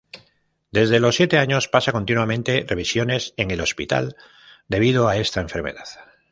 Desde los siete años, pasa continuamente revisiones en el hospital debido a esta enfermedad.